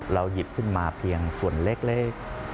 หยิบขึ้นมาเพียงส่วนเล็ก